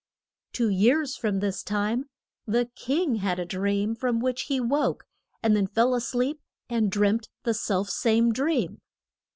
Two years from this time the king had a dream, from which he woke, and then fell a sleep and dreamt the self same dream.